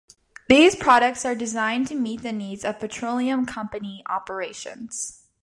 These products are designed to meet the needs of petroleum company operations.